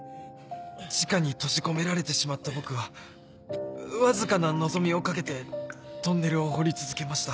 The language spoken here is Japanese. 地下に閉じ込められてしまった僕はわずかな望みを懸けてトンネルを掘り続けました